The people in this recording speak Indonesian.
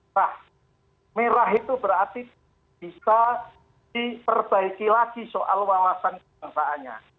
nah merah itu berarti bisa diperbaiki lagi soal wawasan kebangsaannya